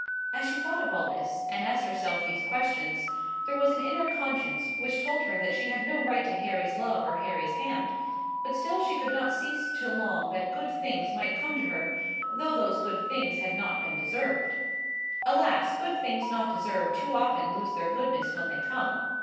As she thought of all this, and asked herself these questions, there was an inner conscience which told her that she had no right to Harry's love or Harry's hand; but still she could not cease to long that good things might come to her, though those good things had not been deserved. Alas, good things not deserved too often lose their goodness when they come!